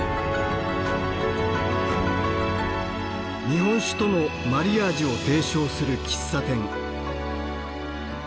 日本酒とのマリアージュを提唱する喫茶店。